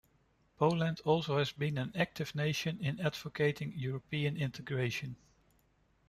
Poland also has been an active nation in advocating European integration.